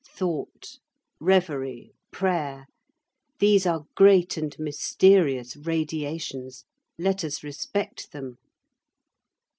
Thought, reverie, prayer,—these are great and mysterious radiations. Let us respect them.